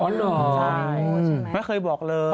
อ๋อเหรอไม่เคยบอกเลย